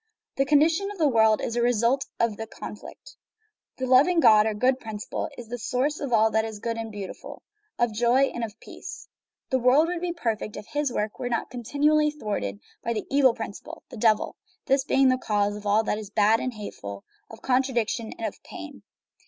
The condition of the world is the result of this conflict. The loving God, or good principle, is the source of all that is good and beautiful, of joy and of peace. The world would be perfect if His work were not continually thwarted by the evil principle, the Devil; this being is the cause of all that is bad and hateful, of contra diction and of pain.